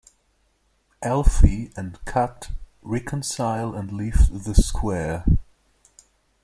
Alfie and Kat reconcile and leave the Square.